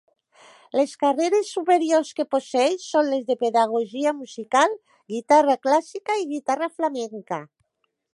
Les carreres superiors que posseeix són les de pedagogia musical, guitarra clàssica i guitarra flamenca.